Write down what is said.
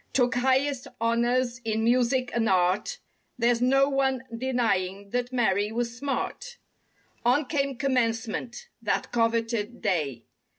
Took highest honors in music and art There's no one denying that Mary was smart. On came commencement—that coveted day.